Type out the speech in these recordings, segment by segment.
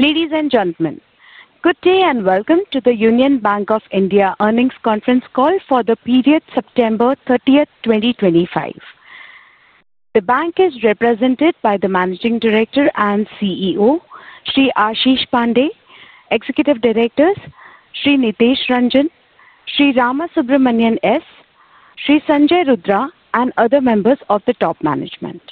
Ladies and gentlemen, good day and welcome to the Union Bank of India Earnings Conference Call for the period September 30, 2025. The bank is represented by the Managing Director and CEO Sir Asheesh Pandey, Executive Directors Sir Nitesh Ranjan, Sir Rama Subramanian S., Sir Sanjay Rudra, and other members of the top management.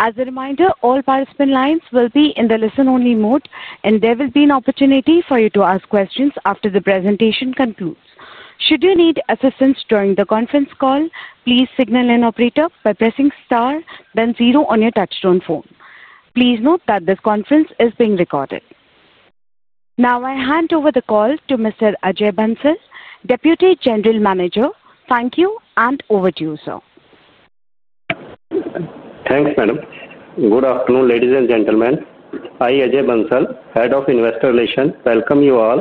As a reminder, all participant lines will be in the listen-only mode and there will be an opportunity for you to ask questions after the presentation concludes. Should you need assistance during the conference call, please signal an operator by pressing star then zero on your touchtone phone. Please note that this conference is being recorded. Now I hand over the call to Mr. Ajay Bansal, Deputy General Manager. Thank you, and over to you, sir. Thanks madam. Good afternoon ladies and gentlemen. I, Ajay Bansal, Head of Investor Relations, welcome you all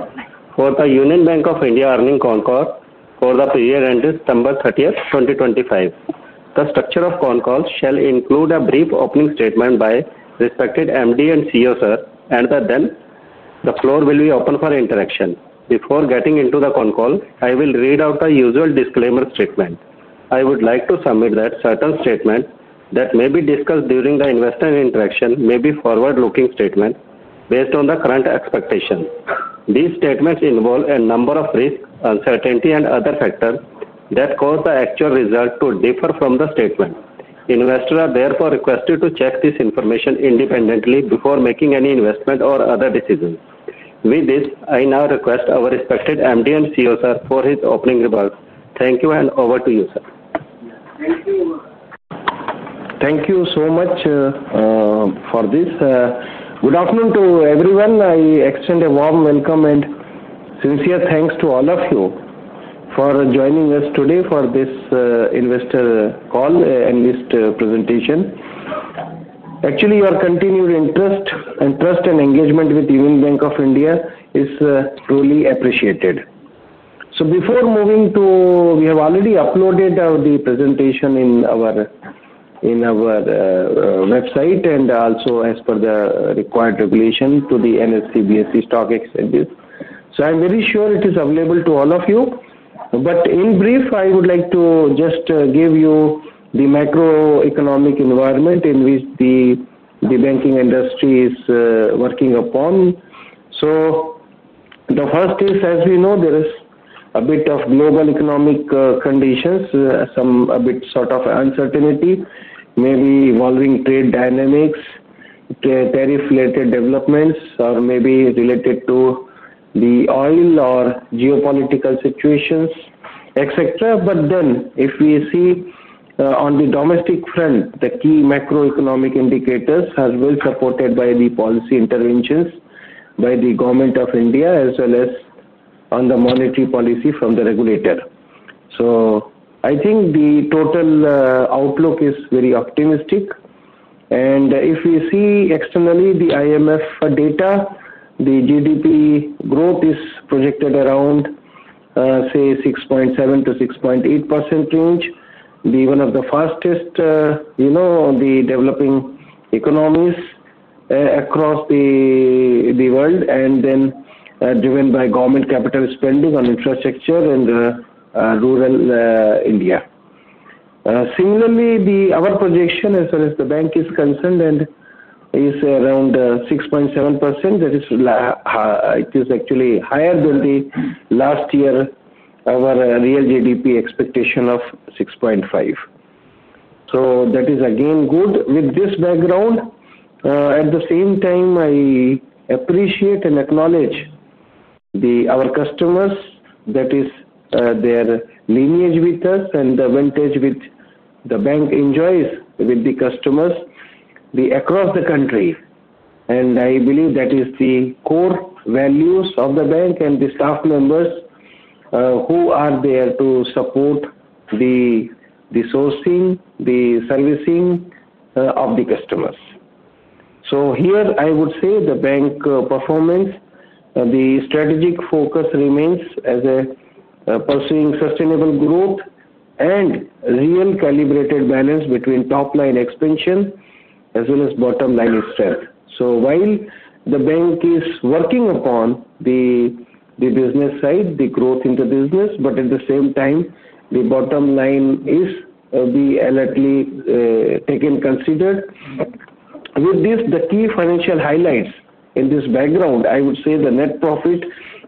for the Union Bank of India Earnings call for the period ended December 31, 2025. The structure of the concall shall include a brief opening statement by respected MD and CEO sir, and then the floor will be open for interaction. Before getting into the call, I will read out a usual disclaimer statement. I would like to submit that certain statements that may be discussed during the investor interaction may be forward-looking statements based on the current expectations. These statements involve a number of risks, uncertainty, and other factors that cause the actual result to differ from the statement. Investors are therefore requested to check this information independently before making any investment or other decision. With this, I now request our respected MD and CEO sir for his opening remarks. Thank you. Over to you sir. Thank you. Thank you so much for this. Good afternoon. To everyone, I extend a warm welcome. Sincere thanks to all of you for joining us today for this investor call and this presentation. Actually, your continued interest and trust. Engagement with Union Bank of India is truly appreciated. Before moving to we have already. Uploaded the presentation on our website and also as per the required regulation to the NSE, BSE stock exchanges. I am very sure it is available to all of you. In brief, I would like to just to give you the macroeconomic environment in which the banking industry is working upon. The first is as we know there is a bit of global economic conditions, some a bit sort of uncertainty, maybe evolving trade dynamics, tariff related developments or maybe related to the oil or geopolitical situations, etc. If we see on the domestic front, the key macroeconomic indicators are well supported by the policy interventions by the Government of India as well as on the monetary policy from the regulator. I think the total outlook is very optimistic. If we see externally, the IMF data, the GDP growth is projected around, say, 6.7 to 6.8% range, one of the fastest, you know, the developing economies across the world, and then driven by government capital spending on infrastructure and rural India. Similarly, our projection as far as the bank is concerned is around 6.7%. That is actually higher than the last year our real GDP expectation of 6.5%. That is again good with this background. At the same time, I appreciate and acknowledge our customers, that is their lineage with us and the vintage which the bank enjoys with the customers across the country. I believe that is the core values of the bank and the staff members who are there to support the sourcing, the servicing of the customers. Here I would say the bank performance, the strategic focus remains as pursuing sustainable growth and real calibrated balance between top line expansion as well as bottom line strength. While the bank is working upon the business side, the growth in the business, at the same time the bottom line is taken considered. With this, the key financial highlights in this background, I would say the net profit.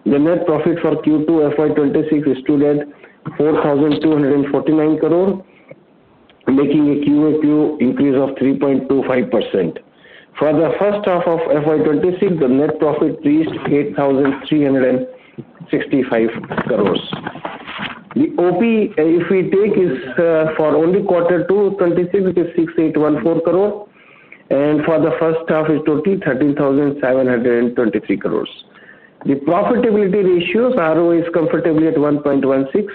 The net profit for Q2 FY26 is still at INR 4,249 crore, making a QoQ increase of 3.25%. For the first half of FY26, the net profit reached 8,365 crore. The op if we take is for only Q2 FY26. It is 6,814 crore and for the first half is totally 13,723 crore. The profitability ratios, ROA is comfortably at 1.16.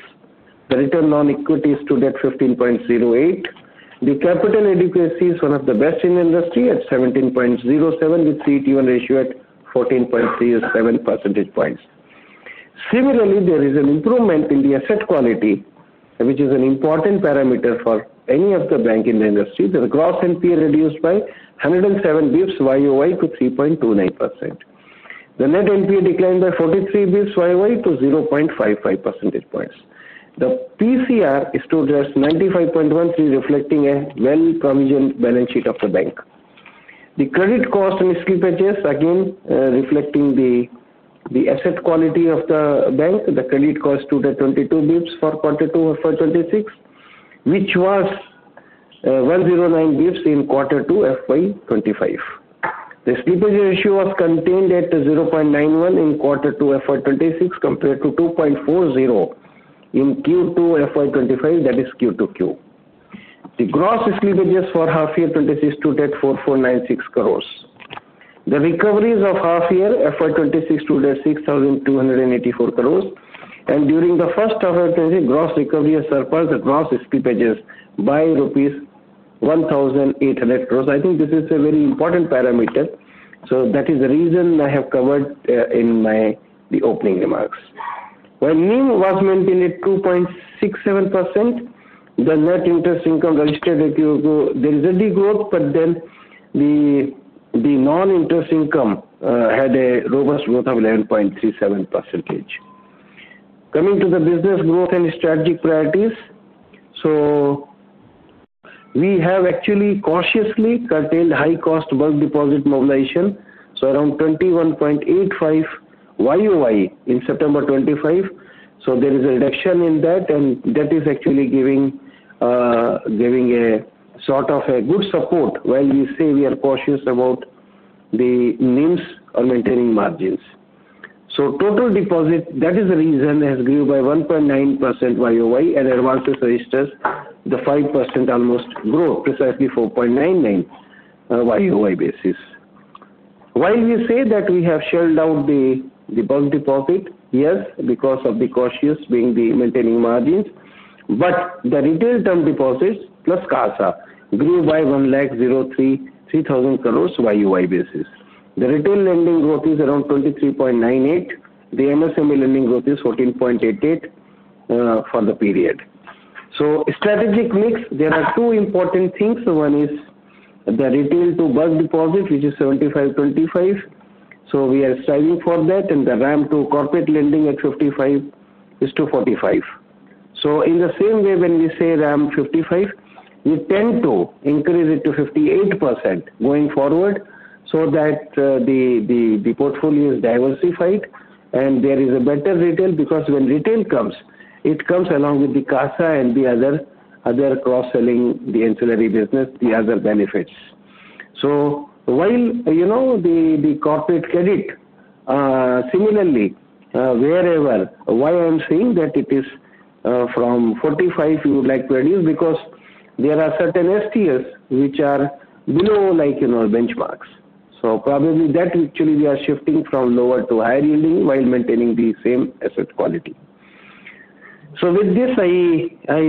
The return on equity stood at 15.08%. The capital adequacy is one of the. Best in industry at 17.07% with CET1 ratio at 14.37%. Similarly, there is an improvement in the. Asset quality, which is an important parameter for any of the bank in the industry. The gross NPA reduced by 107 bps YoY to 3.29%. The net NPA declined by 43 bps YoY to 0.55%. The provision coverage ratio stood at 95.13%, reflecting a well-provisioned balance sheet of the bank. The credit cost and slippages again reflecting the asset quality of the bank. The credit cost was 222 bps for Q2 FY26. Which was 109 bps in Q2 FY25. This deposit ratio was contained at 0.91%. In Q2 FY26 compared to 2.40 in Q2 FY25, that is QoQ. The gross slippages for H1 FY26 to date are 4,496 crore. The recoveries of H1 FY26 2,000 crore and during the first of gross recovery has surpassed across steep agents by rupees 1,800 crore. I think this is a very important parameter. That is the reason I have covered in my opening remarks. When NIM was maintained at 2.67%, the net interest income registered. There is a degrowth. The non-interest income had a robust growth of 11.37% coming. To the business growth and strategic priorities, we have actually cautiously curtailed high. Cost bulk deposit mobilization. Around 21.85% YoY in September 2025. There is a reduction in that. That is actually giving a sort of a good support. We say we are cautious about the NIMs or maintaining margins. Total deposit, that is the reason. Has grew by 1.9% YoY, and advances registers the 5% almost growth, precisely 4.99% YoY basis. While we say that we have shelled out the bulk deposit, yes, because of the cautious being the maintaining margins. The retail term deposits plus CASA grew by 1,033,000 crore. YoY basis, the retail lending growth is around 23.98%. The MSME lending growth is 14.88% for the period. The strategic mix, there are two important things. One is the retail to bulk deposit which is 75:25. We are striving for that. The RAM to corporate lending at 55% is to 45%. In the same way when we say RAM 55 we tend to increase it to 58% going forward so that the portfolio is diversified and there is a better retail because when retail comes it comes along with the CASA and the other cross selling, the ancillary business, the other benefits. While you know the corporate credit. Similarly, wherever I'm saying that it is from 45, you would like to add, is because there are certain STLs which are below, like, you know, benchmarks. Probably that actually we are shifting from lower to higher yielding while maintaining the same asset quality. With this I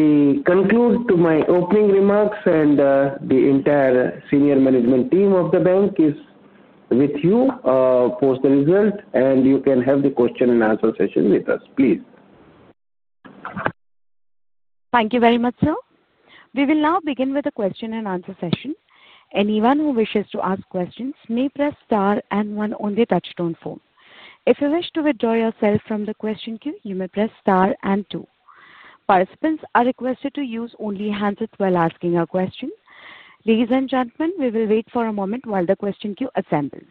conclude my opening remarks and the entire Senior Management team of the bank is with you. Post the result, you can have the question and answer session with us, please. Thank you very much, sir. We will now begin with a question and answer session. Anyone who wishes to ask questions may press Star and 1 on the Touchstone phone. If you wish to withdraw yourself from the question queue, you may press Star and 2. Participants are requested to use only handsets while asking a question. Ladies and gentlemen, we will wait for a moment while the question queue assembles.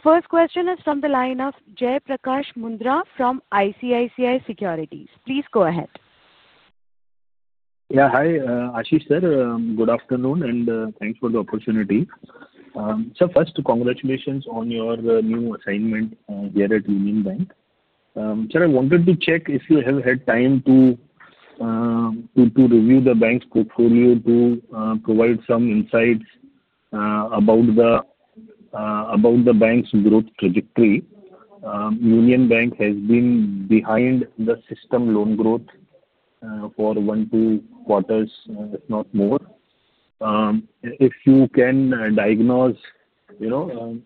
The first question is from the line of Jay Prakash Mundhra from ICICI Securities. Please go ahead. Yeah. Hi Asheesh sir. Good afternoon and thanks for the opportunity. First, congratulations on your new assignment here at Union Bank of India. Sir, I wanted to check if you have had time to review the bank's portfolio to provide some insights about the bank's growth trajectory. Union Bank of India has been behind the system loan growth for 12 quarters, if not more. If you can diagnose, you know.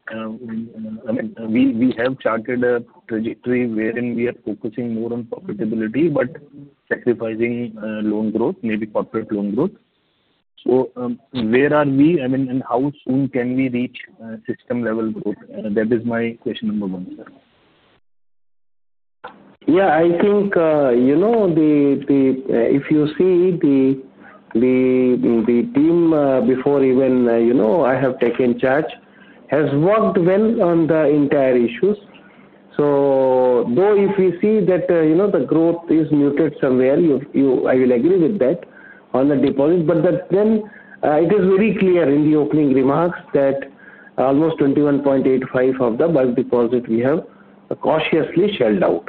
We have charted a trajectory wherein we are focusing more on profitability, but sacrificing loan. Growth, maybe corporate loan growth. Where are we, I mean, and how soon can we reach system level growth? That is my question number one, sir. Yeah, I think, you know, if. You see the team, before even you know, have taken charge, has worked well. On the entire issues, if we see that you. The growth is muted somewhere, I will agree with that on the deposit. It is very clear. In the opening remarks, that almost 21.85% of the bulk deposit we have cautiously shelled out.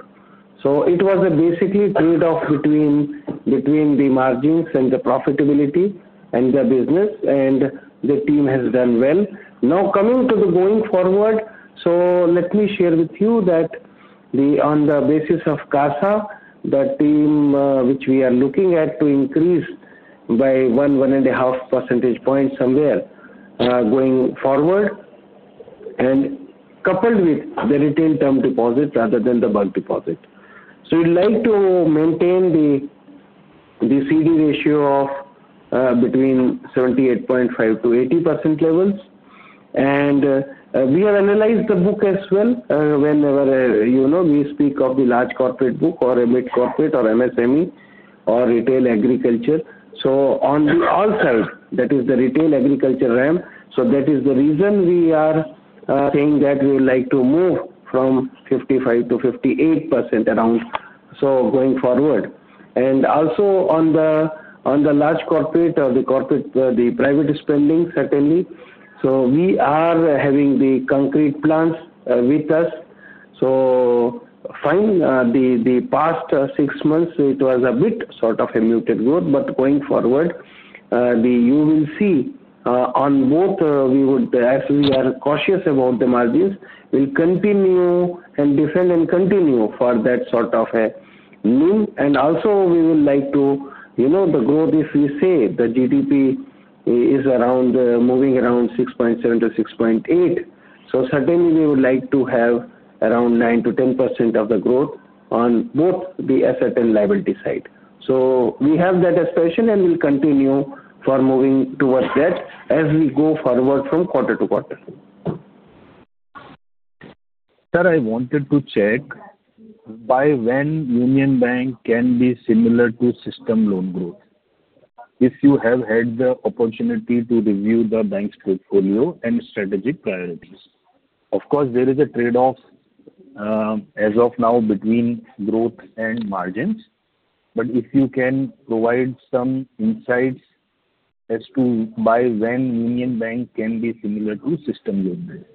It was basically a trade-off. Between the margins and the profitability and their business, the team has done well now. Coming to the going forward, let me share with you that. On the basis of CASA, the team. Which we are looking at to increase. By 1 to 1.5 percentage points somewhere going forward, and coupled with the retained retail term deposit rather than the bulk deposit, we'd like to maintain the CD ratio between 78.5%-80% levels. We have analyzed the book as well. Whenever you know we speak of the large corporate book or a mid corporate or MSME or retail agriculture, on the RAM side that is the retail agriculture MSME. That is the reason we are saying that we would like to move. From 55%-58% around. Going forward, and also on the large corporate or the corporate, the private spending certainly, we are having the concrete plans with us. Fine, the past six months it was a bit sort of a muted growth. Going forward, you will see on both, we actually are cautious about the margins. We'll continue and defend and continue for that sort of a move. Also, we would like to, you know, the growth, if we say the GDP is around moving around 6.7%-6.8%. Certainly, we would like to have around 9%-10% of the growth on both the asset and liability side. We have that aspiration and we'll. Continue moving towards that as we go forward from quarter to quarter. Sir, I wanted to check by when Union Bank of India can be similar to system loan growth. If you have had the opportunity to review the bank's portfolio and strategic priorities. Of course, there is a trade-off. As of now between growth and margins, if you can provide some insights as to by when Union Bank of India can be similar to system.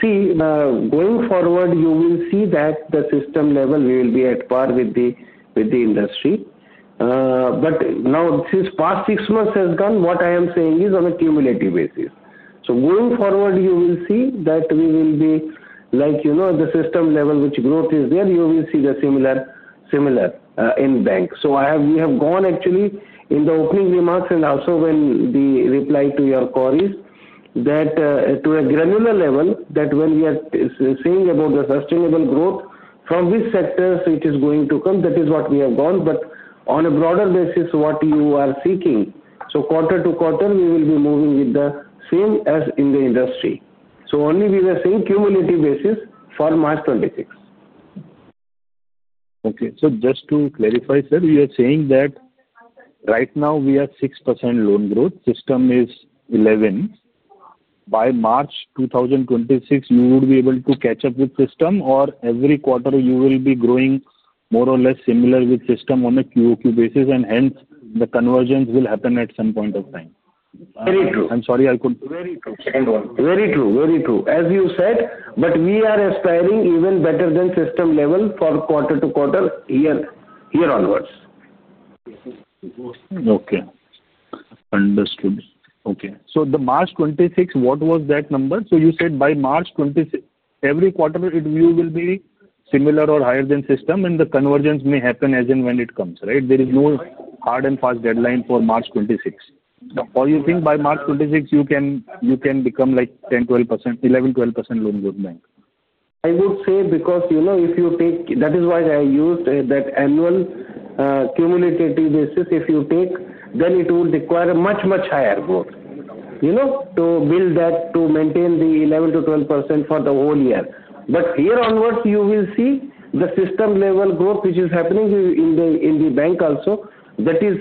See, going forward you will see that. The system level will be at par with the industry. Now since past six months has gone. What I am saying is on a cumulative basis. Going forward you will see that. We will be like. You know the system level, which growth is there. You will see the similar, similar in bank. We have gone actually in the opening remarks and also when the reply to. Your queries to a granular level that when we are seeing about the sustainable growth, from which sectors it is going to come. That is what we have gone. On a broader basis, what you are seeking. Quarter to quarter we will be. Moving with the same as in the industry, we were saying cumulative basis for March 26th. Okay, so just to clarify sir, you are saying that right now we are at 6% loan growth. System is at 11%. By March 2026 you would be able to catch up with system, or every quarter you will be growing more or less similar with system on a QoQ basis. Hence, the conversions will happen at some point of time. Very true. I'm sorry, I could. Very, very true. Very true. As you said, we are aspiring even better than that. Level for quarter to quarter here onwards. Okay, understood. The March 2026, what was that number? You said by March 2026 every quarter review will be similar or higher than system and the convergence may happen as and when it comes. There is no hard and fast deadline for March 2026, or you think by March 2026 you can become like 10, 12, 11, 12% loan growth bank. I would say, because you know if you take that. is why I used that annual cumulative basis. If you take, then it will require. A much higher growth, you know. To build that to maintain the 11%. To 12% for the whole year. Here onwards you will see the system level growth which is happening in the bank also. That is,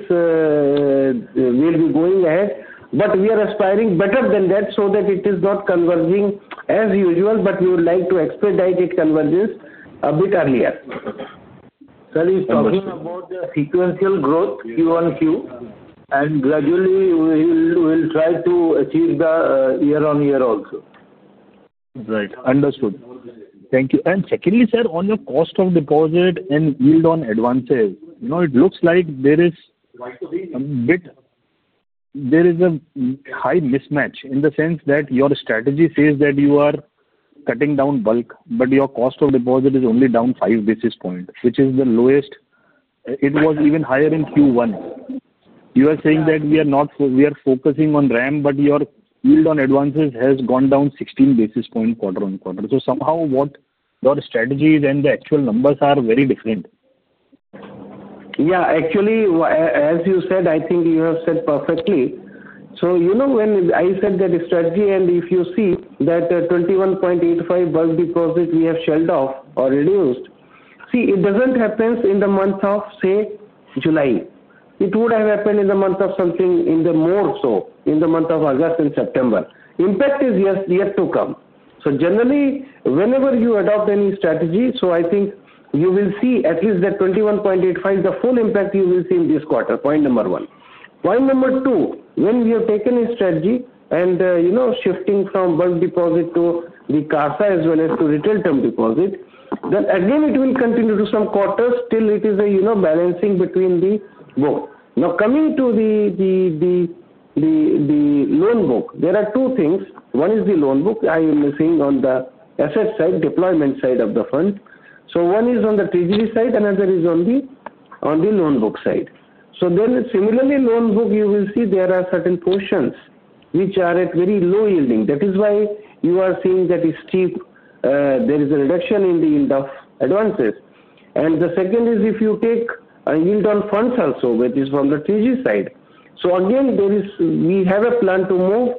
we'll be going ahead. We are aspiring better than that, so that it is not converging as usual. We would like to expedite converges a bit earlier. Sir, he's talking about the sequential growth QoQ, and gradually we will try to achieve the YoY also. Right, understood. Thank you. Secondly, sir, on your cost of. Deposit and yield on advances, you know, it looks like there is. There is. A high mismatch in the sense that your strategy says that you are cutting down bulk, but your cost of deposit is only down 5 bps, which is the lowest. It was even higher in Q1. You are saying that we are not, we are focusing on RAM, but your yield on advances has gone down 16 bps QoQ. Somehow what your strategies and the actual numbers are very different. Yeah, actually as you said, I think you have said perfectly. When I said that strategy and if you see that 21.85 billion bulk deposit we have shelled off or reduced. See, it doesn't happen in the month of, say, July. It would have happened in the month. Something more so in the month of August and September. Impact is yes, yet to come. Generally, whenever you adopt any strategy, I think you will see at least that 21.85, the full impact you. Will see in this quarter, point number one. Point number two, we have taken a strategy, you know, shifting from bulk deposit to the CASA as well. As to retail term deposits, then again. It will continue to some quarters till it is, you know, balancing between the book. Now coming to the. Loan book, there are two things. One is the loan book I will be seeing on the asset side, deployment side of the fund. One is on the treasury side. Another is only on the loan book side. Similarly, loan book you will. See, there are certain portions which are. At very low yielding. That is why you are seeing that there is a reduction in the yield of advances. The second is if you take. A yield on funds also, which is from the 3G side. We have a plan to move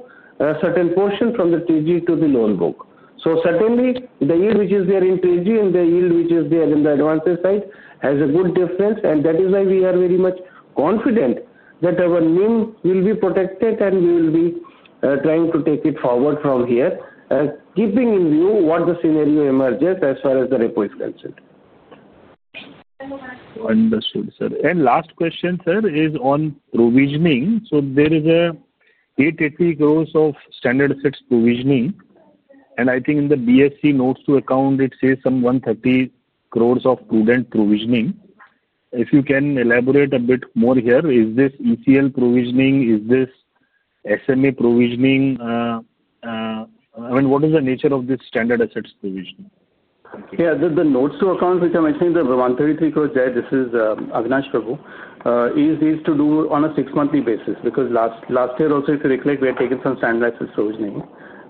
certain portion from the. TG to the loan book. Certainly, the yield which is there in TG and the yield which is. There in the advances side, has a good difference. That is why we are very. Much confident that our NIM will be. Protected, and we will be trying to. Take it forward from here, keeping in view what the scenario emerges as far as the repo is concerned. Understood, sir. Last question, sir, is on provisioning. There is an 880 crore standard assets provisioning. I think in the BSE notes to account it says some 130 crore of prudent provisioning. If you can elaborate a bit more here. Is this ECL provisioning? Is this SMA provisioning? What is the nature of. This standard assets provision? Yeah, the notes to account which I mentioned, the 133 crore, this is Nitesh Ranjan is to do on a six monthly basis. Because last year also if you recollect we had taken some standardized provisioning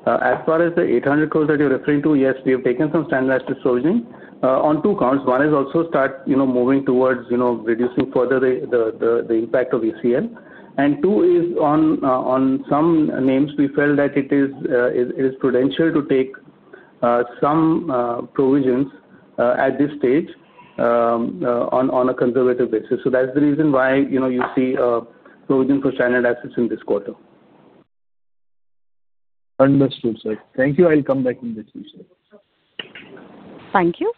as far as the 800 crore that you're referring to. Yes, we have taken some standardized disclosing on two counts. One is also start moving towards reducing further the impact of ECL, and two is on some names. We felt that it is prudential to take some provisions at this stage on a conservative basis. That's the reason why you see provision for standard assets in this quarter. Understood sir. Thank you. I'll come back in the future. Thank you.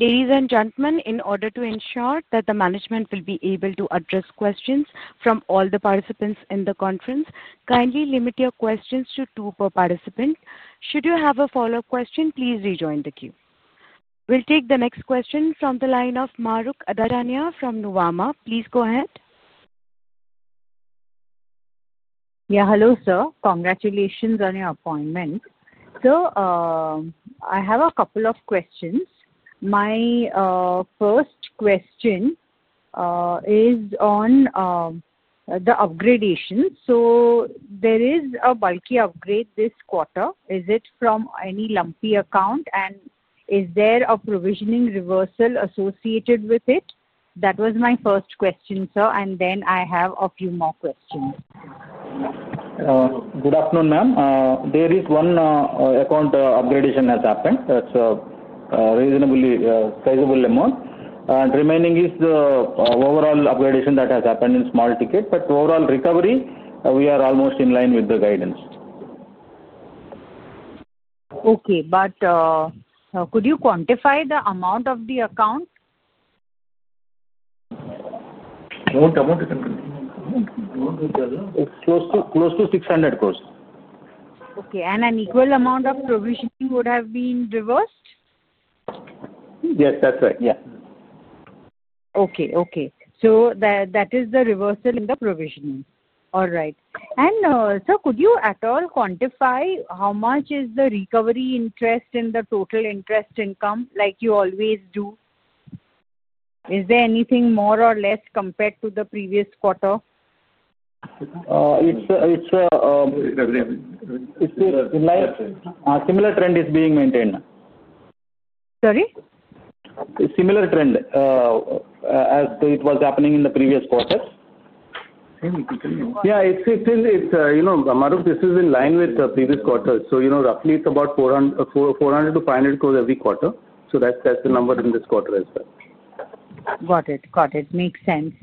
Ladies and gentlemen, in order to ensure that the management will be able to address questions from all the participants in the conference, kindly limit your questions to two per participant. Should you have a follow up question, please rejoin the queue. We'll take the next question from the line of Mahrukh Adajania from Nuvama. Please go ahead. Yeah. Hello sir, congratulations on your appointment. I have a couple of questions. My first question is on the upgradation. There is a bulky upgrade this quarter. Is it from any lumpy account, and is there a provisioning reversal associated with it? That was my first question, sir. I have a few more questions. Good afternoon, ma'am. Am. There is one account upgradation has happened that's a reasonably sizeable amount, and remaining is the overall upgradation that has happened in small ticket. Overall recovery, we are almost in. Line with the guidance. Okay, could you quantify the amount of the account? It's close to 600 crore. An equal amount of provisioning would have been reversed. Yes, that's right. Yeah. Okay. Okay. That is the reversal in the provisioning. Could you at all quantify how much is the recovery interest in the total interest income like you always do? Is there anything more or less compared to the previous quarter? It's. It's. Similar trend is being maintained, similar trend as it was happening. In the previous quarters? Yeah, this is in line with previous quarters. Roughly, it's about 400 crore to 500 crore every quarter. That's the number in this quarter as well. Got it, got it. Makes sense.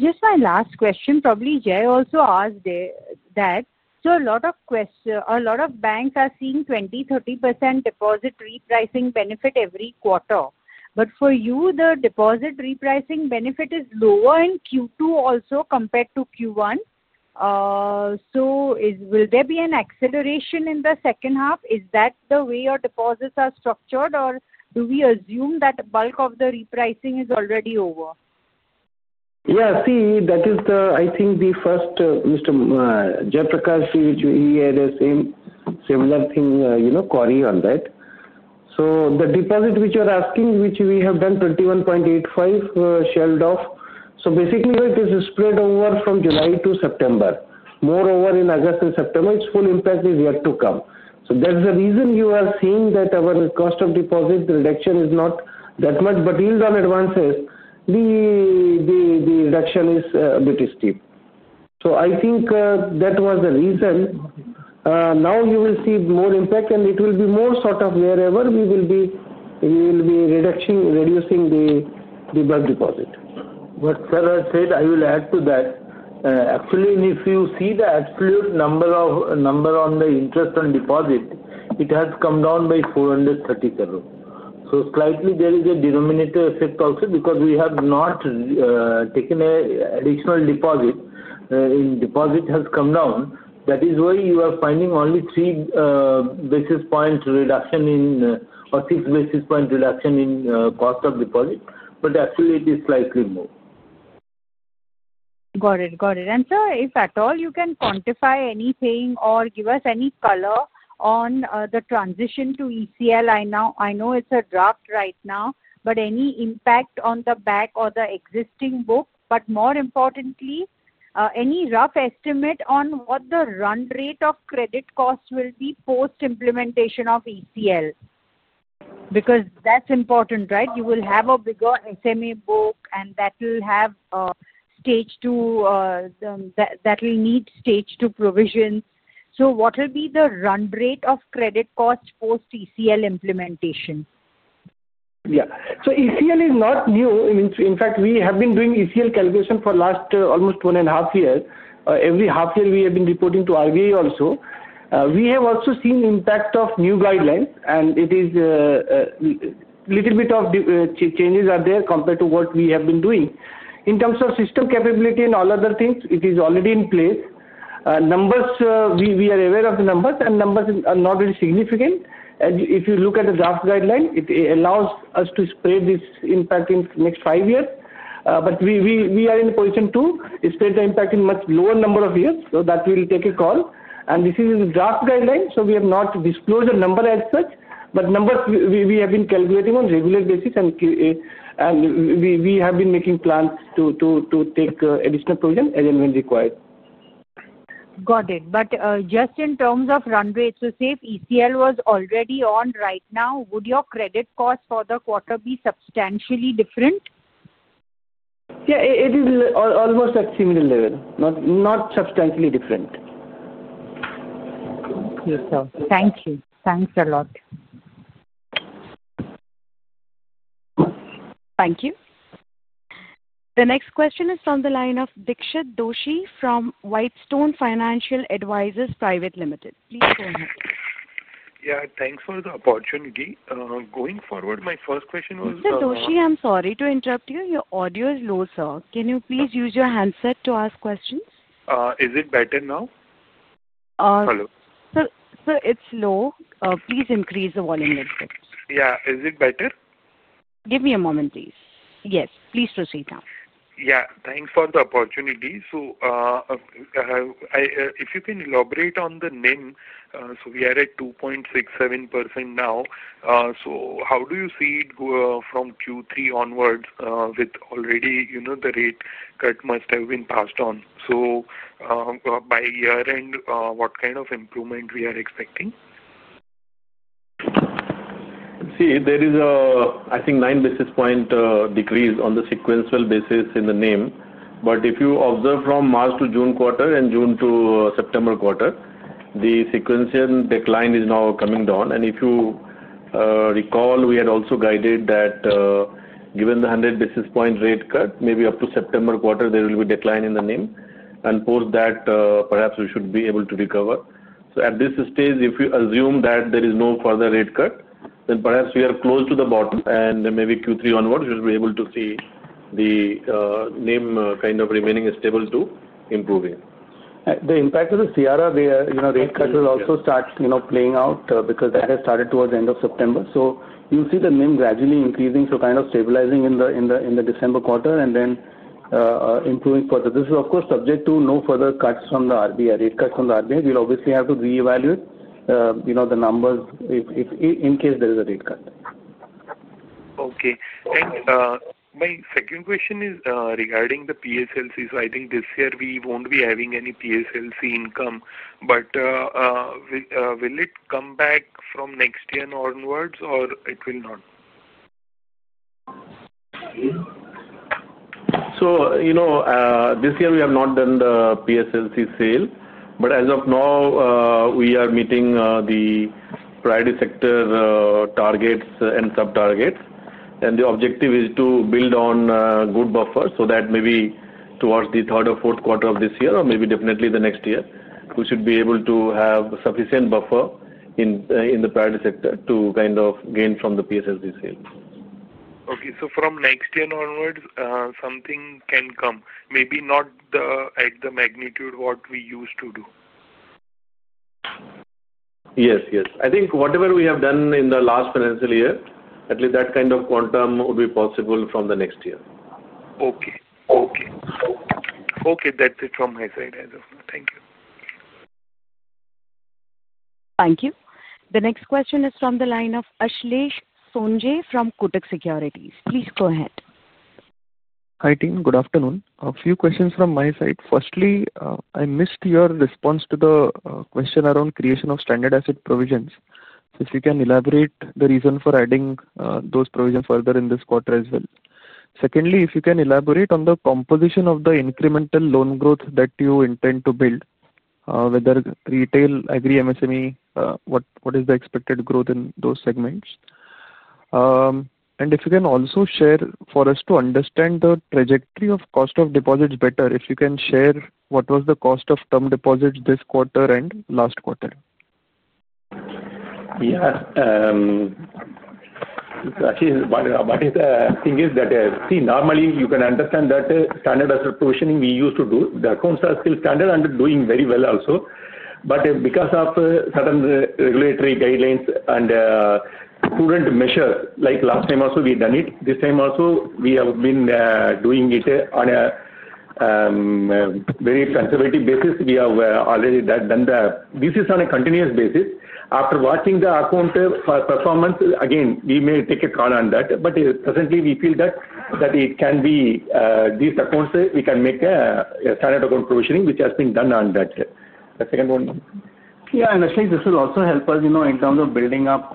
Just my last question, probably Jay also asked that. A lot of banks are seeing 20% to 30% deposit repricing benefit every quarter, but for you the deposit repricing benefit is lower in Q2 also compared to Q1. Will there be an acceleration in the second half? Is that the way your deposits are structured, or do we assume that the bulk of the repricing is already over? Yeah, see, that is the. I think the first, Mr. Jay Prakar, the same similar thing, you know, query on that. The deposit which you are asking, which we have done, 21.85 billion, is spread over from July to September. Moreover, in August and September, it's full. Impact is yet to come. That's the reason you are seeing that our cost of deposit reduction is not that much, but yield on advances. The reduction is a bit steep. I think that was the reason. You will see more impact, and it will be more sort of wherever we will be, we will be reducing. Reducing the CASA deposit. Sir, I said I will add to that actually if you see the. Absolute number of number on the interest. Deposit has come down by 430 crore. There is a slight denominator effect. Also, because we have not taken a. Additional deposit in CASA deposit has come down. That is why you are finding only. 3 basis point reduction in or 6 basis point reduction in cost of deposit. Actually, it is slightly more. Got it. If at all you can quantify anything or give us any color on the transition to ECL, I know it's a draft right now, but any impact on the back or the existing book, more importantly, any rough estimate on what the run rate of credit cost will be post implementation of ECL, because that's important, right? You will have a bigger SMA book and that will have stage two that will need stage two provisions. What will be the run rate of credit cost post ECL implementation? Yeah, ECL is not new. In fact, we have been doing ECL calculation for the last almost one and a half years. Every half year, we have been reporting. To RBI also we have also seen. Impact of new guidelines and it is little bit of changes are there compared to what we have been doing in terms of system capability and all other things. It is already in place. Numbers, we are aware of the numbers. Numbers are not very significant. If you look at the draft guideline, it allows us to spread this impact in next five years. We are in a position to spread the impact in much lower number of years so that we will take a call. This is a draft guideline. We have not disclosed a number as such, but numbers we have been calculating on regular basis. We have been making plans to. Take additional provision as and when required. Got it. In terms of run rates, to say if ECL was already on right now, would your credit cost for the quarter be substantially different? Yeah, it is almost at similar level, not substantially different. Thank you. Thanks a lot. Thank you. The next question is from the line of Dixit Doshi from Whitestone Financial Advisors Private Limited. Thank you for the opportunity. My first question was. I'm sorry to interrupt you. Your audio is low. Sir, can you please use your handset to ask questions? Is it better now? It's low. Please increase the volume. Yeah. Is it better? Give me a moment, please. Yes, please proceed now. Yeah, thanks for the opportunity. So. If you can elaborate on the NIM. We are at 2.67% now. How do you see it from Q3 onwards with already, you know, the rate cut must have been passed on? By year end, what kind of improvement are we expecting? See, there is a, I think, 9 basis point decrease on the sequential basis in the NIM. If you observe from March to June quarter and June to September quarter, the sequential decline is now coming down. If you recall, we had also guided that given the 100 basis point rate cut, maybe up to September quarter there will be decline in the NIM, and post that perhaps we should be. Be able to recover. At this stage, if you assume that there is no further rate cut, then perhaps we are close to the bottom, and maybe Q3 onwards we will be able to see the NIM kind of remaining stable to improving the impact of the CRR. Rate cut will also start playing out because that has started towards the end of September. You see the NIM gradually increasing, kind of stabilizing in the December quarter and then improving further. This is of course subject to no further cuts from the RBI. Rate cuts on the RBI, we'll obviously have to reevaluate the numbers in case there is a rate cut. Okay. My second question is regarding the PSLC. I think this year we won't be having any PSLC income. Will it come back from next year onwards or will it not? You know, this year we have. Not done the PSLC sale, but as of now we are meeting the priority sector targets and subtargets. The objective is to build on good buffer so that maybe towards the third or fourth quarter of this year or maybe definitely the next year we should be able to have sufficient buffer in. In the private sector to kind of gain from the PSLC sales. Okay. From next year onwards something can come, maybe not at the magnitude what we used to do. Yes, yes. I think whatever we have done in the last financial year, at least that kind of quantum would be possible from the next year. Okay. Okay. Okay. That's it. Thank you. Thank you. The next question is from the line of Ashlesh Sonje from Kotak Securities. Please go ahead. Hi team, good afternoon. A few questions from my side. Firstly, I missed your response to the question around creation of standard asset provisions. If you can elaborate the reason for adding those provisions further in this quarter as well. Secondly, if you can elaborate on the composition of the incremental loan growth that you intend to build, whether retail, MSME, what is the expected growth in those segments, and if you can also share for us to understand the trajectory of cost of deposits better, if you can share what was the cost of term deposits this quarter and last quarter. Yeah. The thing is that, see normally you can understand that standard assessment provisioning we used to do, the accounts are still standard and doing very well also. However, because of certain regulatory guidelines and current measures, like last time also, we done it. This time also, we have been doing it on a very conservative basis. We have already done that. This is on a continuous basis. After watching the account performance again, we may take a call on that. Presently, we feel that it can be these accounts, we can make a standard account provisioning, which has been done on that. The second one. Yeah. This will also help us in terms of building up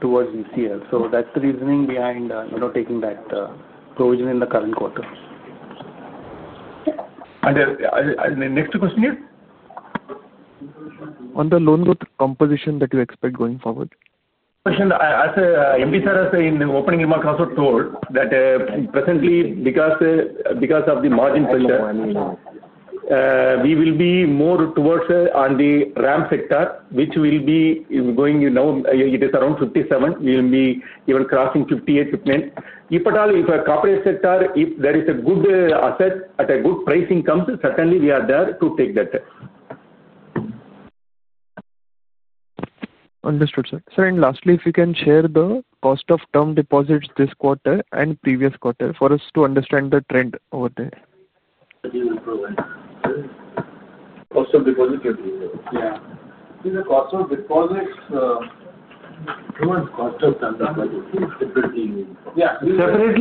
towards ECL. That's the reasoning behind taking that provision in the current quarter. Next question here. On the loan growth composition that you expect going forward. SR has in the opening remarks also told that presently because of. The margin pressure will be more. Towards the RAM sector which will be going, you know, it is around 57%. We will be even crossing 58 minutes if at all. If a corporate sector, if there is a good asset at a good pricing comes, certainly we are there to take that. Understood, sir. Lastly, if you can share the cost of term deposits this quarter and previous quarter for us to understand the trend over there. Definitely,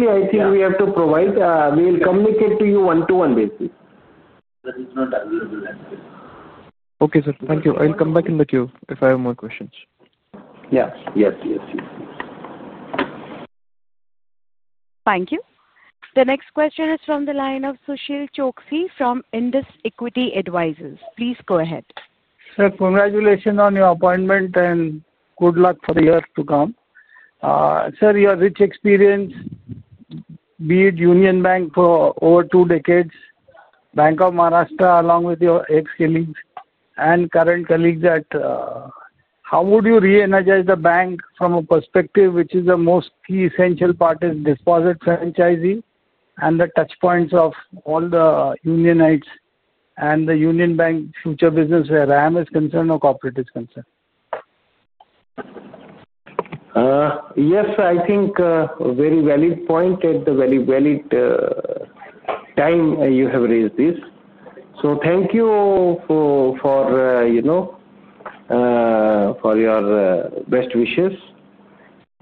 I think we have to provide. We will come with it to you. One-to-one basis. Okay, sir. Thank you. I'll come back in the queue if I have more questions. Yes. Yes. Yes. Thank you. The next question is from the line of Sushil Choksey from Indus Equity Advisors. Please go ahead, sir. Congratulations on your appointment and good luck. For the year to come. Sir. Your rich experience, be it Union Bank of India for over two decades, Bank of Maharashtra, along with your ex-colleagues and current colleagues at. How would you re-energize the bank? From a perspective, which is the most. Key essential part is deposit franchise. The touch points of all the. Unionites and the Union Bank of India future business. Where RAM is concerned or corporate is concerned. Yes. I think very valid point at the. Very valid time you have raised this. Thank you for. Thank you for your best wishes.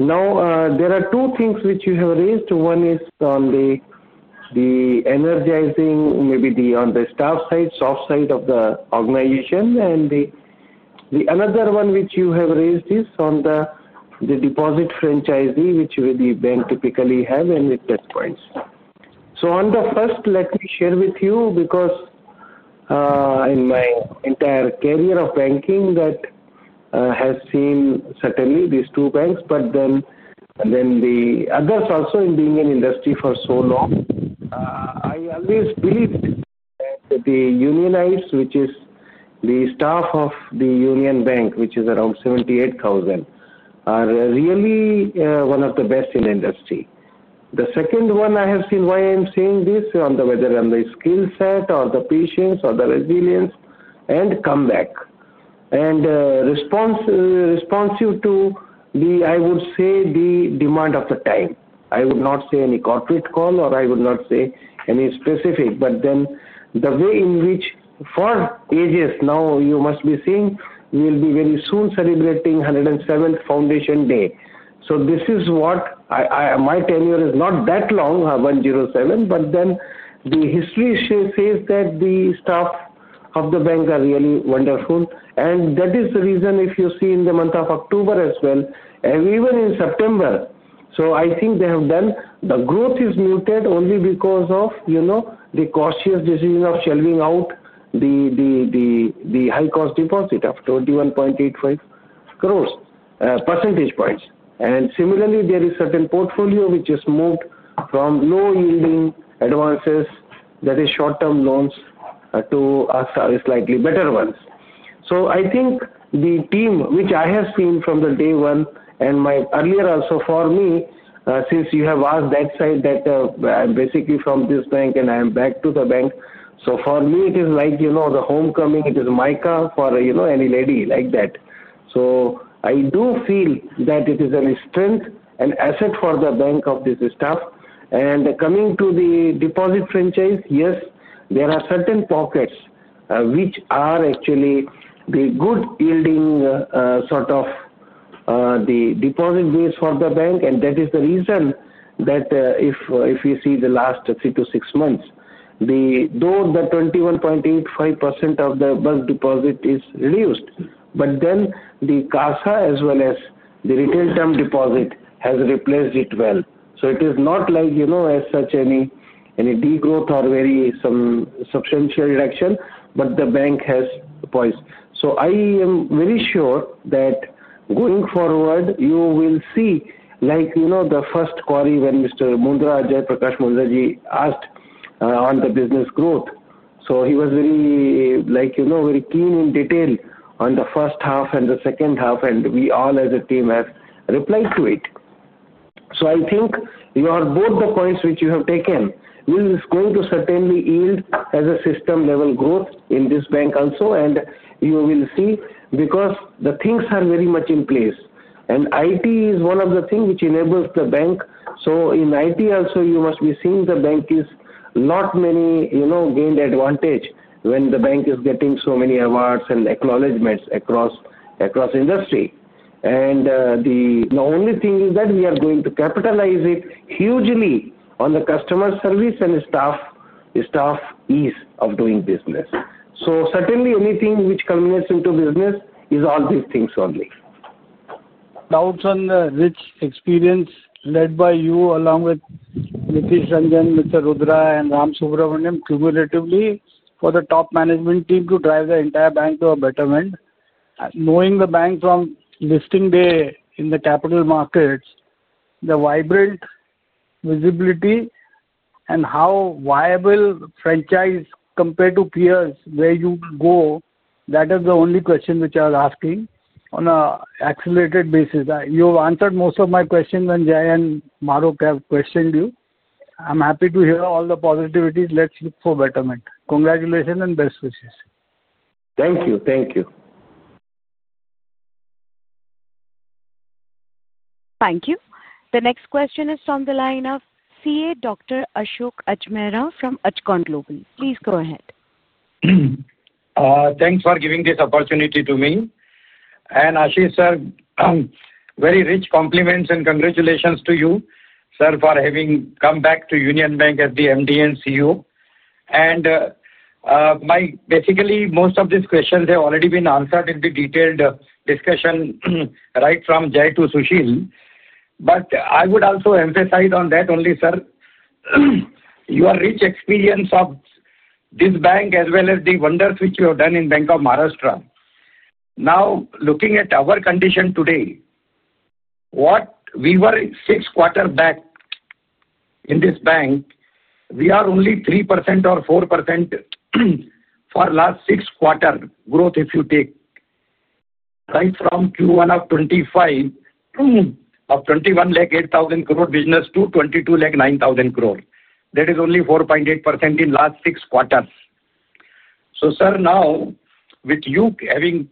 Now, there are two things which you have raised. One is on the energizing, maybe on the staff side, soft side of the organization. Another one which you have raised is. On the deposit franchise which the bank typically have and with test points. Let me share on the first. With you because in my entire career of banking that has seen certainly these two banks. Then the others also in being in industry for so long. I always feel the unionites, which is the staff of Union Bank of India, which is around 78,000, are really one of the best in industry. The second one I have seen, why I am saying this, whether on the skill set or the patience or the resilience and come back and responsive to the. I would say the demand of the time. I would not say any corporate call or any specific, but the way in which for ages now you must be seeing will. will very soon be celebrating the 107th Foundation Day. This is what my tenure is, not that long. 107. The history says that the staff of the bank are really wonderful. That is the reason if you see in the month of October as well and even in September, I think they have done. The growth is muted only because of. You know the cautious decision of shelving out the high cost deposit of 21.85 crore, percentage points. There is certain portfolio which. Is moved from low-yielding advances, that is, short-term loans, to slightly better ones. I think the team which I. Have seen from day one and my earlier also for me since you have asked that side that basically from this bank. I am back to the bank. For me it is like, you know, the homecoming. It is mica for, you know, any lady like that. I do feel that it is a strength and asset for the bank of this staff. Coming to the deposit franchise, yes. There are certain pockets which are actually the good yielding sort of the deposit. Base for the bank. That is the reason that if you see the last three to six months, though the 21.85% of the bulk deposit is reduced, the CASA as well as the retail term deposit has replaced it. It is not like any degrowth or some substantial reduction. The bank has poised. I am very sure that going forward you will see, like the first query when Mr. Mundra Jay Prakash Mundra asked on the business growth, he was very keen in detail on the first half and the second half. We all as a team have replied to it. I think both the points which you have taken are going. To certainly yield as a system level. Growth in this bank also. You will see because the things are very much in place and it. Is one of the things which enables the bank. In it also you must be. Seeing the bank is not many, you know, gained advantage when the bank is getting so many awards and acknowledgments across industry. The only thing is that we are going to capitalize it hugely on the customer service and staff ease of doing business. Certainly, anything which culminates into business. is all these things. Only doubts on the rich experience led by you along with Nitesh Ranjan, Mr. Rudra, and Rama Subramanian. Cumulatively for the top management team to. Drive the entire bank to a better wind. Knowing the bank from listing day in the capital markets, the vibrant visibility and how viable franchise compared to peers where you go. That is the only question which I was asking on a accelerated basis. You've answered most of my question when Jay and Mahrukh have questioned you. Happy to hear all the positivities. Let's look for betterment. Congratulations and best wishes. Thank you. Thank you. Thank you. The next question is from the line of CA Dr. Ashok Ajmera from Ajcon Global. Please go ahead. Thanks for giving this opportunity to me and Asheesh sir. Very rich compliments and congratulations to you sir for having come back to Union Bank of India as the MD and CEO. Most of these questions have already been answered in the detailed discussion right from Jai to Sushil. I would also emphasize on that only sir, your rich experience of this bank as well as the wonders which you have done in Bank of Maharashtra. Now looking at our condition today, what we were six quarters back in this bank. We are only 3% or 4% for last six quarters growth. If you take right from Q1 of 2025 of 21.08 trillion business to 22.9 trillion, that is only 4.8% in last six quarters. Sir, now with you having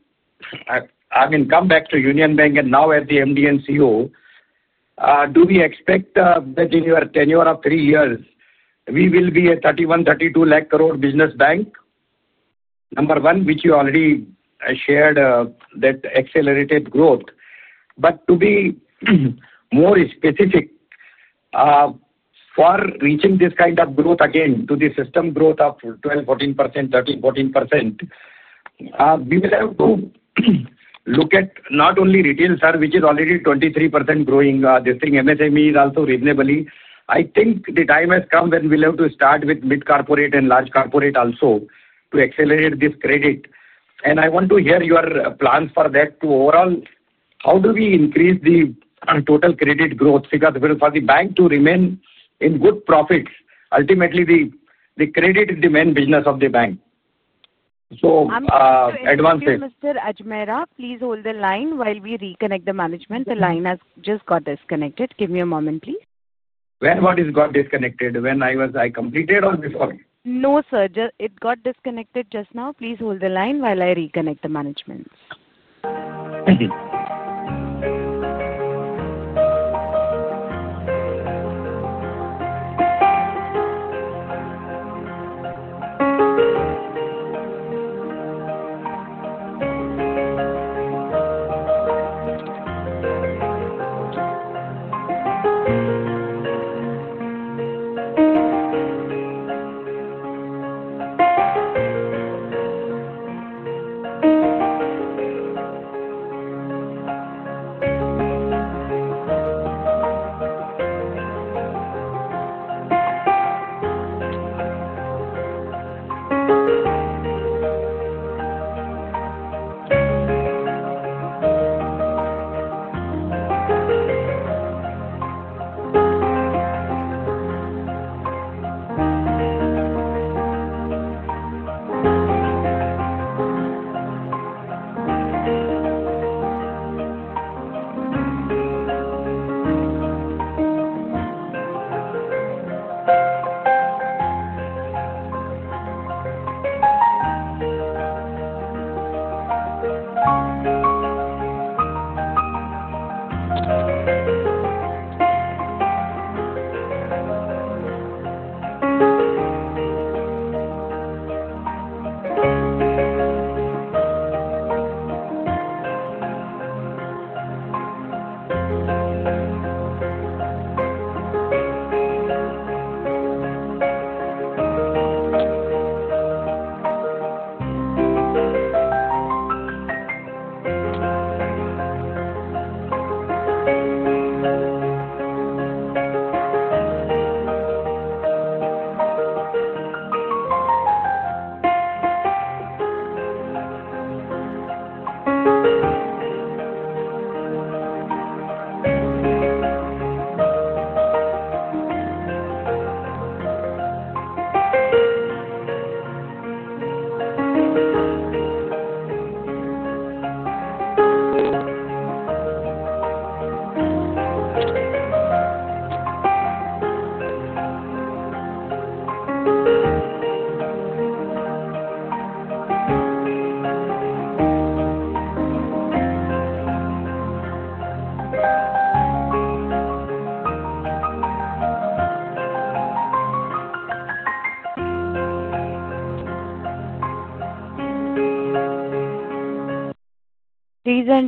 come back to Union Bank of India and now at the MD and CEO, do we expect that in your tenure of three years we will be a 31-32 trillion business bank, number one, which you already shared that accelerated growth. To be more specific, for reaching this kind of growth again to the system growth of 12-14%, 13-14%. We will have to look at not only retail sir, which is already 23% growing this thing. MSME is also reasonably. I think the time has come when we'll have to start with mid corporate and large corporate also to accelerate this credit. I want to hear your plans for that to overall how do we increase the and total credit growth. Because for the bank to remain in good profits. Ultimately the credit demand business of the bank so advanced. Mr. Ajmera, please hold the line while we reconnect the management. The line has just got disconnected. Give me a moment, please. When was it got disconnected? When I was, I completed or before? No sir. It got disconnected just now. Please hold the line while I reconnect the management. Thank you.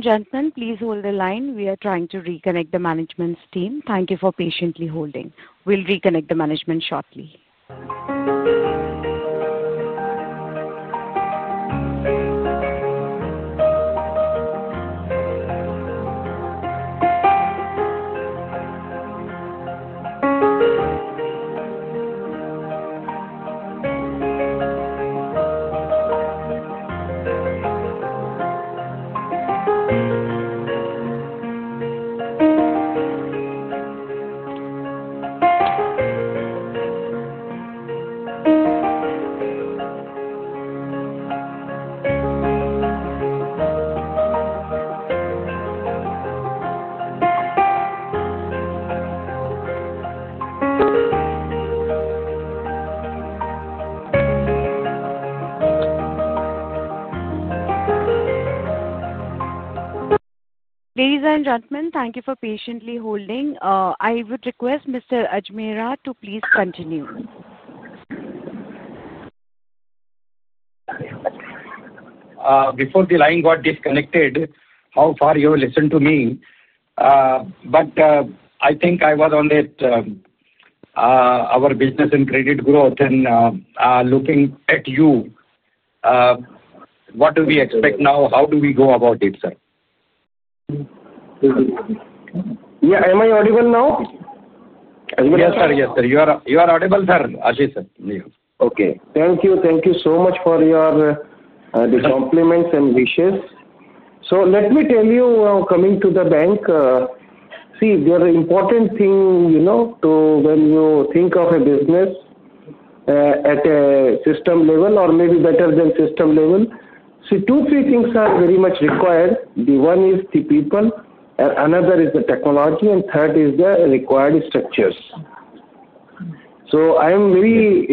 SA Sam. Ladies and gentlemen, please hold the line. We are trying to reconnect the management team. Thank you for patiently holding. We'll reconnect the management shortly. SA. Ladies and gentlemen, thank you for patiently holding. I would request Mr. Ajmera to please continue. Before the line got disconnected, how far you listened to me? I think I was on that our business and credit growth and looking at you. What do we expect now? How do we go about it? Sir? Yeah. Am I audible now? Yes sir. Yes sir. You are audible, sir. Okay. Thank you. Thank you so much for your compliments and wishes. Let me tell you, coming to the bank, they are important thing, you know, when you think of. A business at a system level. Maybe better than system level. See, two, three things are very much required. The one is people, another is the technology, and third is the required structures. I am very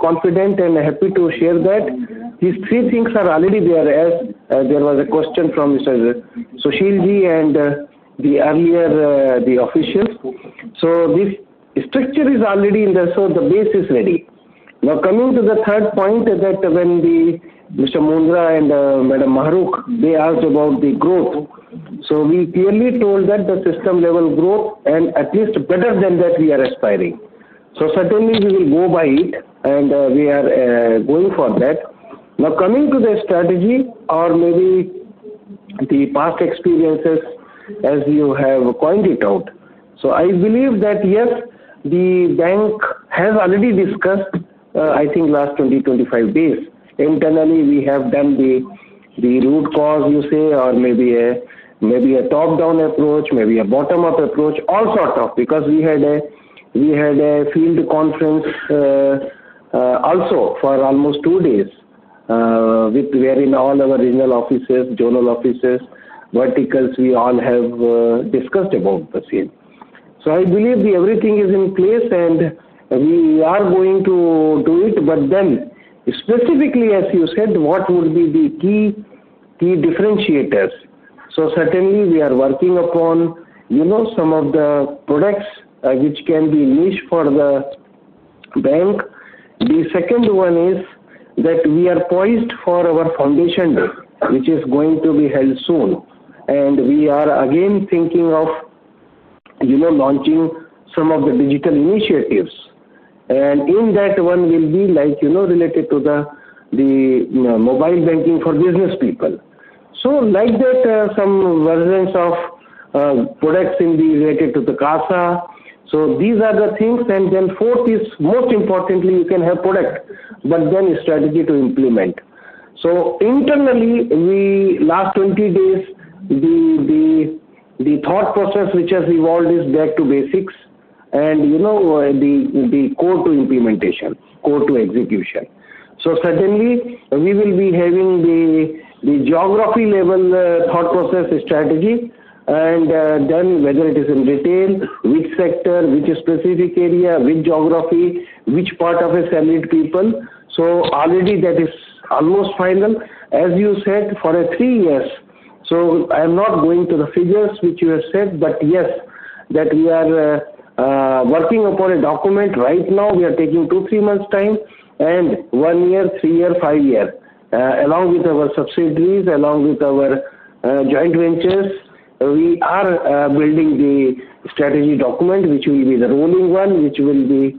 confident and happy to share that these three things are already there. As there was a question from Mr. Sushilji and the earlier the officials. This structure is already in there. The base is ready. Now coming to the third point. When Mr. Mundra and Madam Mahrukh, they asked about the growth. We clearly told that the system. Level growth and at least better than. That we are aspiring. Certainly, we will go by it. We are going for that. Now coming to the strategy. The past experiences, as you have pointed out. I believe that yes, the bank. As already discussed, I think in the last 20, 25 days internally we have done the root cause, you say, or maybe a top-down approach, maybe a bottom-up. Approach all sorts of. Because we had a field conference also for almost two days, where in all our regional offices, zonal offices, verticals, we all have discussed just about the same. I believe everything is in place and we are going to do it. As you said, what would be the key differentiators? Certainly, we are working upon some of the products which can be niche for the bank. The second one is that we are. Poised for our foundation, which is going to be held soon, we are again thinking of launching some of the digital initiatives. In that one will be like. You know, related to the mobile banking for business people. Like that, some residents of products in the related to the CASA. These are the things. Fourth is most importantly you. Can have product, but then strategy to implement. Internally, in the last 20 days, the thought process which has evolved is back. To basics, and you know, the core to implementation, code to execution. We will be having the geography level thought process strategy, and then whether it is in retail, which sector. Which is specific area, which geography, which. Part of a Senate people. That is almost final as you said for three years. I am not going to the figures which you have said. Yes, we are working upon that. A document right now. We are taking two, three months' time. One year, three year, five year. Along with our subsidiaries. Joint ventures, we are building the strategy document, which will be the rolling one, which will be,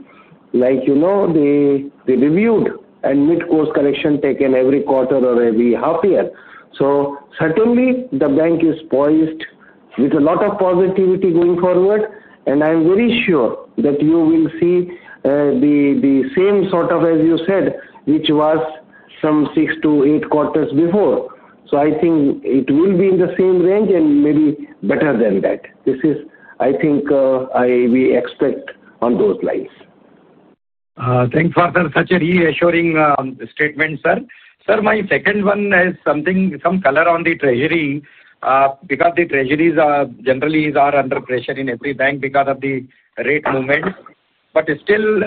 like, you know, reviewed and mid course correction taken every quarter or every half year. Certainly, the bank is poised with. A lot of positivity going forward. I am very sure that you will see the same sort of, as you said, which was some six to eight quarters before. I think it will be in the same range and maybe better than that. This is, I think, we expect on those lines. Thanks for such a reassuring statement. Sir. Sir, my second one is something, some color on the treasury because the treasuries generally are under pressure in every bank because of the rate movement. Still,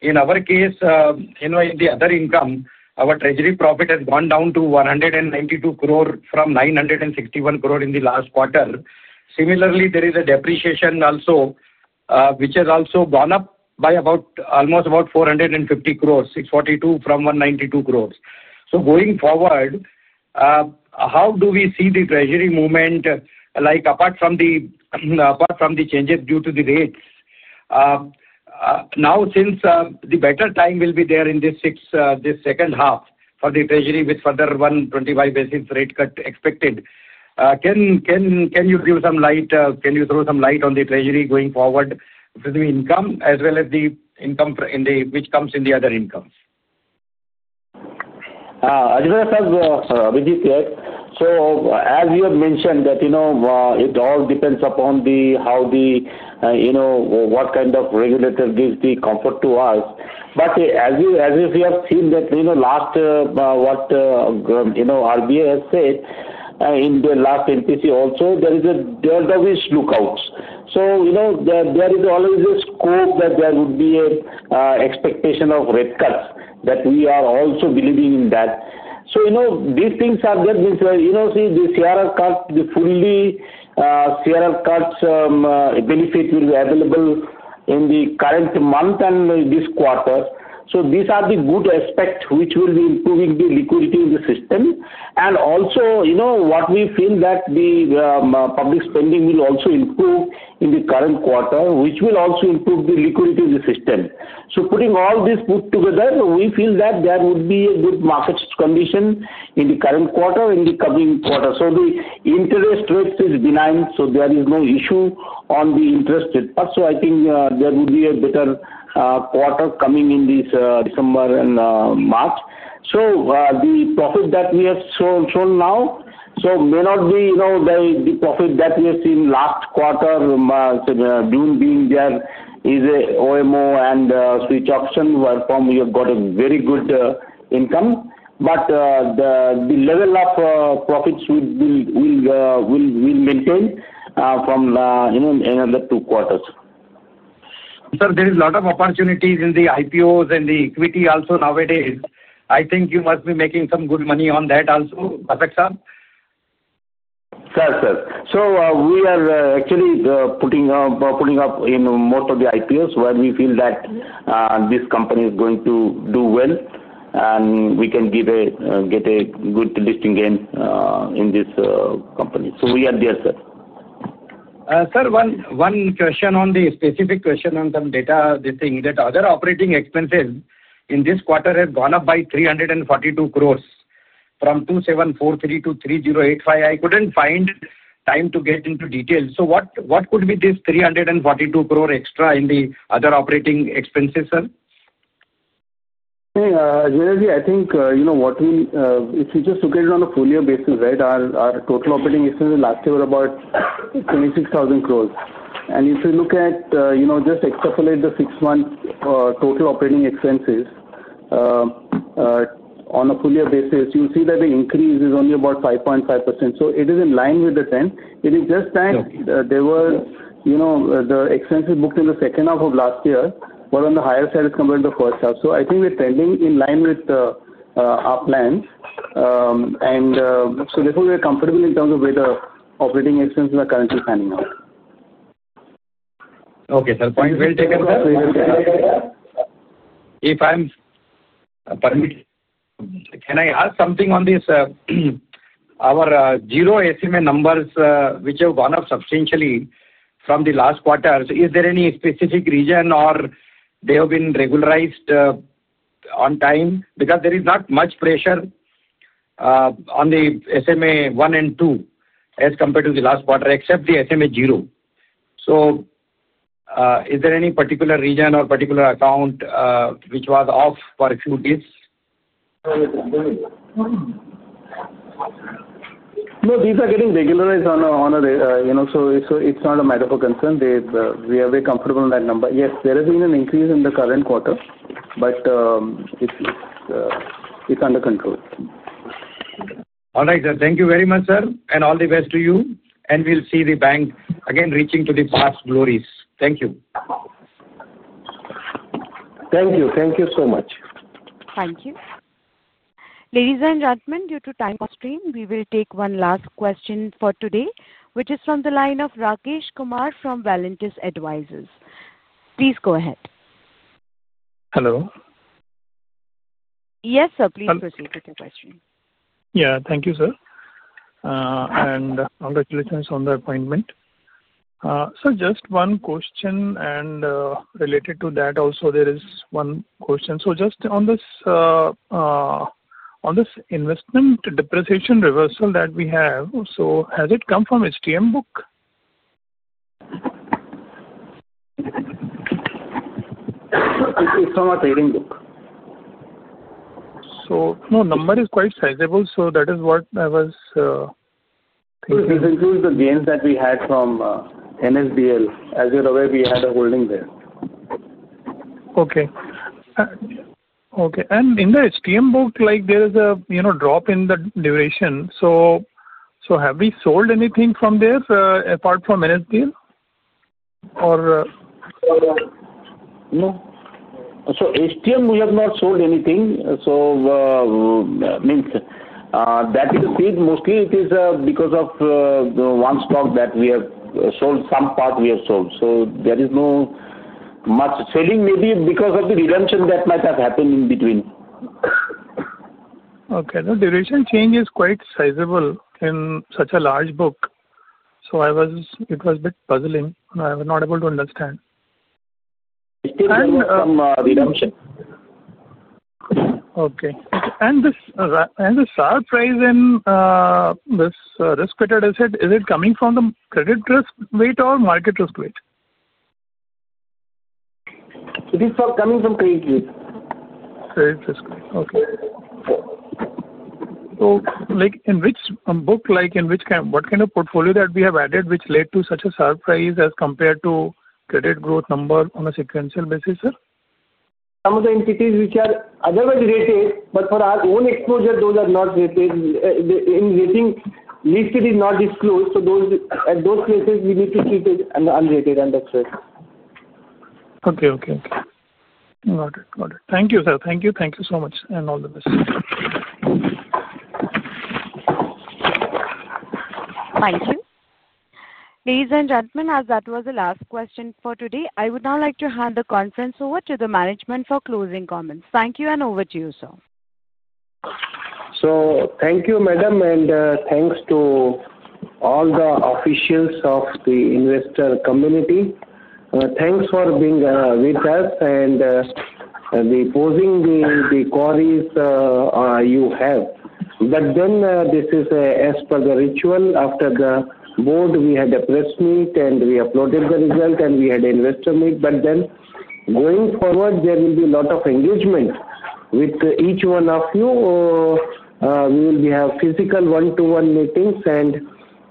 in our case, the other income, our treasury profit has gone down to 192 crore from 961 crore in the last quarter. Similarly, there is a depreciation also, which has also gone up by about almost about 450 crore, 642 from 192 crore. Going forward, how do we see the treasury movement, like apart from the changes due to the. Rates. Now since the better time will be there in this second half for the treasury with further 125 basis rate cut expected, can you give some light, can you throw some light on the treasury going forward income as well as the income which comes in the other incomes. As you have mentioned that it all depends upon the see how the. You know what kind of regulator gives the comfort to us. As you have. Seen that you know last what you. Know RBI has said in the last MPC also there is a delta which lookouts. There is always a scope that there would be a expectation. Of rate cuts that we are also believing in that. You know these things are there. We are, you know, the CRR cut benefit will be available in the current month and this quarter. These are the good aspects which will be improving the liquidity in the system. Also, you know, what we feel is that the public spending will also improve in the current quarter, which will also. Improve the liquidity in the system. Putting all this together, we feel that there would be a good market condition in the current quarter and in the coming quarter. The interest rate is benign. There is no issue on the interest rate. I think there would be a. Better quarter coming in this December and March. The profit that we have shown now may not be the profit that we have seen last. Quarter June being there is a OMO. Switch option work from. We have got a very good income. The level of profits will maintain. From another two quarters. Sir, there is a lot of opportunities in the IPOs and the equity also nowadays. I think you must be making some good money on that also. We are actually putting up. up in most of the IPOs where we feel that this company is going to do well, and we can get a good listing gain in this company. We are there. Sir, one question on the specific question. On some data, this thing that other operating expenses in this quarter have gone up by 342 crore from 2,743 crore to 3,085 crore. I couldn't find time to get into details. What could be this 342 crore extra in the other operating expenses? Sir. If you just look at it on a full year basis, right, our total operating expenses last year were about 26,000 crore. If you look at, you know. Just extrapolate the six-month total operating. Expenses. On a full year basis, you see that the increase is only about 5.5%. It is in line with the trend. It is just time they were you. The expenses booked in the second half of last year were on the higher side as compared to the first half. I think we're trending in line with our plans, and therefore we are comfortable in terms of where the operating expenses are currently standing out. Okay sir, point well taken. Can I ask something on this? Our zero SMA numbers which have gone up substantially from the last quarter, is there any specific reason or have they been regularized on time? There is not much pressure on the SMA 1 and 2 as compared to the last quarter except the SMA 0. Is there any particular region or particular account which was off for a few days? No, these are getting regularized on a. It's not a matter of a concern. They. We are very comfortable in that number. Yes, there has been an increase. The current quarter, it's under control. All right, thank you very much, sir. All the best to you. We'll see the bank again reaching to the past glories. Thank you. Thank you. Thank you so much. Thank you. Ladies and gentlemen, due to time constraints, we will take one last question for today, which is from the line of Rakesh Kumar from Valentis Advisors. Please go ahead. Hello. Yes sir, please proceed with your question. Thank you, sir, and congratulations on the appointment. Just one question. Related to that, there is one question. On this investment depreciation reversal that we have, has it come from the HTM book? From a trading book. No number is quite sizable. That is what I was. This includes the gains that we had. From NSDL, as you're aware, we had a holding there. Okay. Okay. In the HTM book, there is a drop in the duration. So. Have we sold anything from this apart from NSDL or? No. We have not sold anything from HTM. That is mostly it is because of one stock that we have sold. Some part we have sold, so there is not much trading. Maybe because of the redemption that might. Have happened in between. Okay. The duration change is quite sizable in such a large book. It was a bit puzzling. I was not able to understand. Redemption. Okay, and this and the SAR raise in this respected asset, is it coming from the credit risk weight or market risk weight? It is coming from credit risk. Okay. In which book? In which camp. What kind of portfolio that we have? added which led to such a surprise as compared to credit growth number on a sequential basis? Sir, some of the entities which are otherwise related, but for our own exposure, those are not related in rating listed, is not disclosed. At those places, we need. To treat it as unrated and that's it. Okay. Thank you, sir. Thank you. Thank you so much, and all the best. Thank you, ladies and gentlemen. As that was the last question for today, I would now like to hand the conference over to the management for closing comments. Thank you, and over to you, sir. Thank you madam and thanks to. All the officials of the investor community, thanks for being with us and posing the queries you have. This is as per the. Ritual after the board, we had a press meet, and we uploaded the result, and we had an investor meet. Going forward, there will be a lot of engagement with each one of you. We will have physical one-to-one. Meetings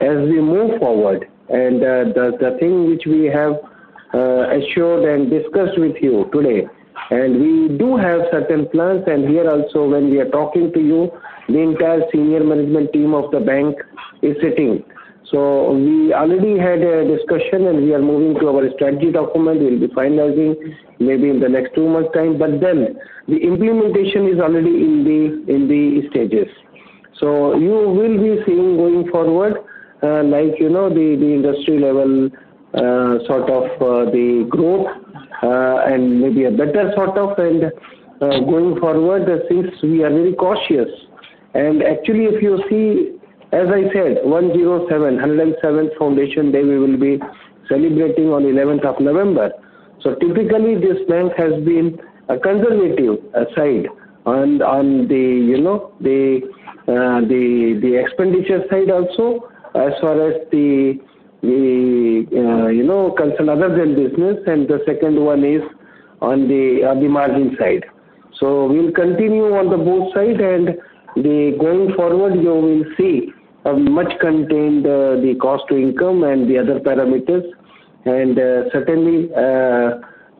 as we move forward, the thing which we have assured and discussed with you today, we do. Have certain plans here also. We are talking to you. The entire Senior Management team of the bank is sitting. We already had a discussion, and we are moving to our strategy document. We'll be finalizing maybe in the next two months' time. The implementation is already in the. In the stages. You will be seeing going forward, like you know, the. The industry level sort of the growth. Maybe a better sort of, and going forward since we are very close. Actually, if you see, as I said, 107, 107th foundation day we will be celebrating on 11th of November. Typically, this bank has been on a conservative side, and on the expenditure side also as far as the. You know, concerned other than business. The second one is on the margin side. We will continue on both sides, and going forward you will see. A much contained the cost to income and the other parameters.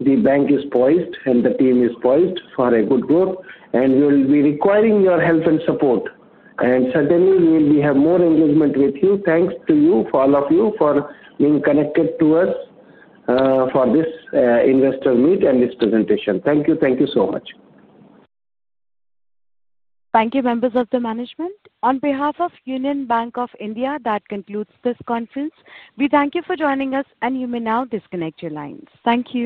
The bank is certainly poised and the team is poised for a good growth. We will be requiring your help and support. We will have more engagement with you. Thank you, all of you. being connected to us for this investor meet and this presentation. Thank you. Thank you so much. Thank you, members of the management. On behalf of Union Bank of India, that concludes this conference. We thank you for joining us. You may now disconnect your lines. Thank you.